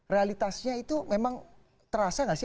realitasnya itu memang terasa nggak sih